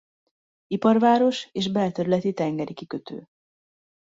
Iparváros és belterületi tengeri kikötő.